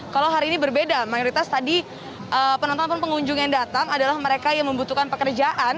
kalau hari ini berbeda mayoritas tadi penonton pun pengunjung yang datang adalah mereka yang membutuhkan pekerjaan